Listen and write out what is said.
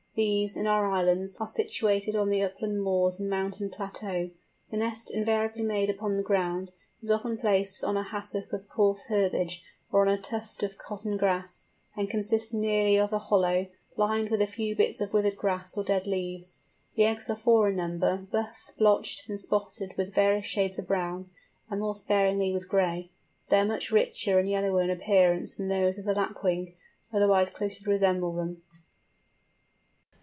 These, in our islands, are situated on the upland moors and mountain plateaux. The nest, invariably made upon the ground, is often placed on a hassock of coarse herbage, or on a tuft of cotton grass, and consists merely of a hollow, lined with a few bits of withered grass or dead leaves. The eggs are four in number, buff blotched and spotted with various shades of brown, and more sparingly with gray. They are much richer and yellower in appearance than those of the Lapwing, otherwise closely resemble them.